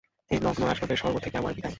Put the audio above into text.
ঐ নগ্ন আসবাবের স্বর্গ থেকে আমার বিদায়।